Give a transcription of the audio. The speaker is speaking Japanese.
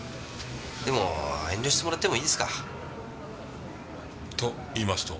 でも遠慮してもらってもいいですか？と言いますと？